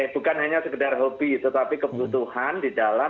bukan hanya sekedar hobi tetapi kebutuhan di dalam